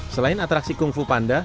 selain atraksi kung fu panda